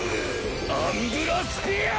アンブラ・スピアー！